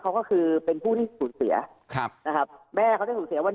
เขาก็คือเป็นผู้ที่สูญเสียครับนะครับแม่เขาจะสูญเสียว่า